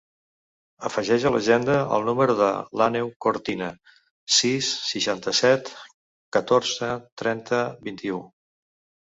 Afegeix a l'agenda el número de l'Àneu Cortina: sis, seixanta-set, catorze, trenta, vint-i-u.